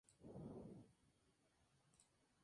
Tiene como pastor al cantante Marcos Vidal.